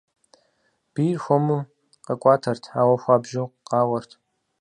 Бийр хуэму къэкӏуатэрт, ауэ хуабжьу къауэрт.